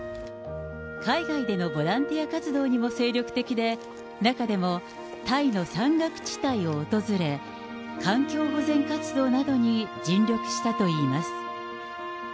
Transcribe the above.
海外でのボランティア活動にも精力的で、中でもタイの山岳地帯を訪れ、環境保全活動などに尽力したといいます。